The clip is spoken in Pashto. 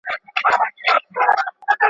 که همت وکړی نو ستاسي منت بار یو.